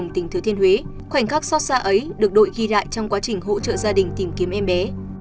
tình khắc xót xa ấy được đội ghi lại trong quá trình hỗ trợ gia đình tìm kiếm em bé